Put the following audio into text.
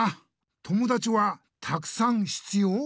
友だちはたくさんひつよう？